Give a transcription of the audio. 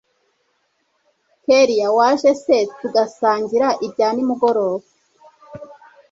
kellia waje se tugasangira ibya nimugoroba